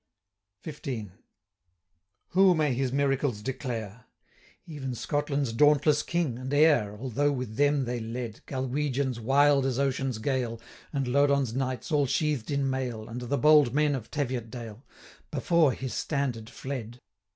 285 XV. Who may his miracles declare! Even Scotland's dauntless king, and heir, (Although with them they led Galwegians, wild as ocean's gale, And Lodon's knights, all sheathed in mail, 290 And the bold men of Teviotdale,) Before his standard fled.